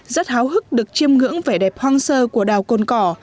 rất háo hức được chiêm ngưỡng vẻ đẹp hoang sơ của đảo cồn cỏ